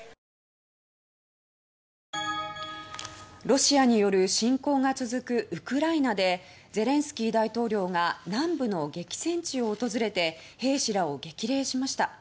ロシアによる侵攻が続くウクライナでゼレンスキー大統領が南部の激戦地を訪れて兵士らを激励しました。